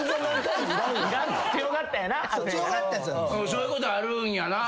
そういうことあるんやな。